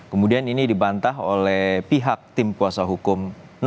kemudian ini dibantah oleh pihak tim kuasa hukum